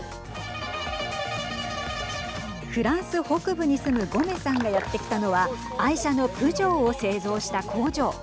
フランス北部に住むゴメさんがやって来たのは愛車のプジョーを製造した工場。